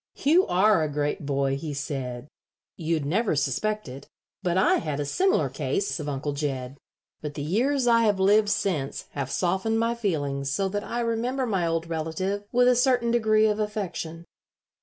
"You are a great boy," he said. "You'd never suspect it, but I had a similar case of Uncle Jed, but the years I have lived since have softened my feelings so that I remember my old relative with a certain degree of affection."